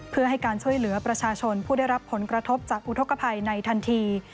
เพื่อให้การช่วยเหลือประชาชนผู้ได้รับผลกระทบจากอุทธกภัยในทันที